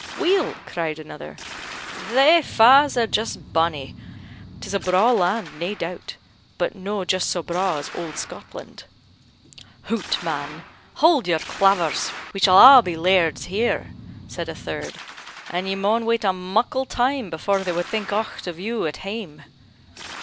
"Weel," cried another, "thae fa's are just bonnie; 'tis a braw land, nae doubt; but no' just so braw as auld Scotland." "Hout man! hauld your clavers, we shall a' be lairds here," said a third; "and ye maun wait a muckle time before they wad think aucht of you at hame."